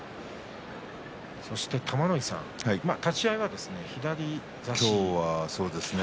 玉ノ井さん立ち合いは左差しでしたね。